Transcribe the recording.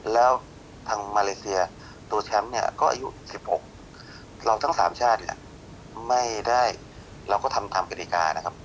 แล้วทางมาเลเซียตัวแชมป์เนี่ยก็อายุ๑๖เราทั้ง๓ชาติเนี่ยไม่ได้เราก็ทำตามกฎิกานะครับ